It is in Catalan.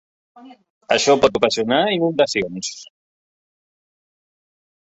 Això pot ocasionar inundacions.